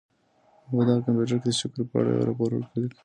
ما په دغه کمپیوټر کي د شکر په اړه یو راپور ولیکلی.